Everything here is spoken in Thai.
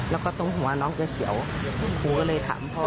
แล้วก็ตรงหัวน้องจะเฉียวครูก็เลยถามพ่อ